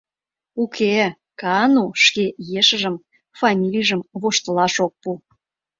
Уке, Каану шке ешыжым-фамилийжым воштылаш ок пу.